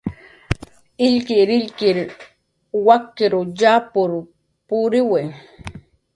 "Illkirillkir wak""iw yapur puriwi"